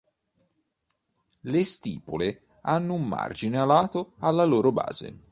Le stipole hanno un margine alato alla loro base.